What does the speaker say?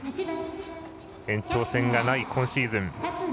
延長戦がない今シーズン。